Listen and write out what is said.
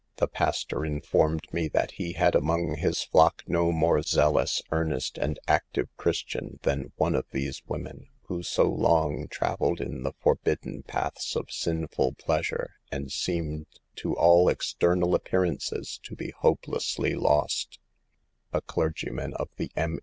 The pas tor informed me that he had among his flock no more zealous, earnest and active Christian than one of these women, who so long traveled in the forbidden paths of sinful pleasure, and seemed to all external appearances to be hope lessly lost, A clergyman of the M.